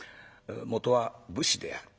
元は武士である。